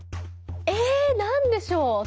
え何でしょう？